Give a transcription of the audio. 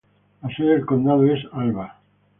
La sede del condado es Alva.